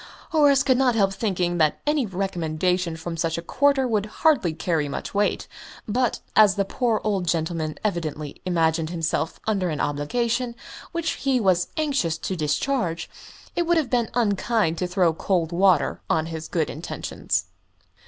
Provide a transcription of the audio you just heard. Horace could not help thinking that any recommendation from such a quarter would hardly carry much weight; but, as the poor old man evidently imagined himself under an obligation, which he was anxious to discharge, it would have been unkind to throw cold water on his good intentions.